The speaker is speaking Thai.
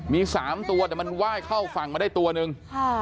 มี๓ตัวแต่มันไหว้เข้าฝั่งมาได้ตัวนึง